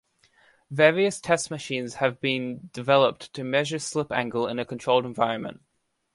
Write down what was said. Various test machines have been developed to measure slip angle in a controlled environment.